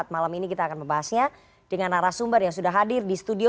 malam ini kita akan membahasnya dengan arah sumber yang sudah hadir di studio